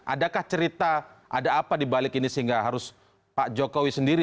adakah cerita ada apa dibalik ini sehingga harus pak jokowi sendiri